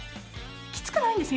きつくないんですよ